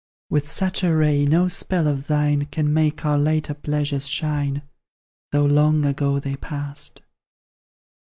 With such a ray, no spell of thine Can make our later pleasures shine, Though long ago they passed.